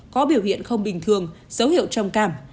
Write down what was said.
có biểu hiện không bình thường dấu hiệu trầm cảm